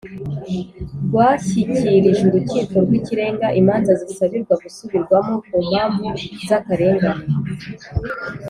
Rwashyikirije urukiko rw ikirenga imanza zisabirwa gusubirwamo ku mpamvu z akarengane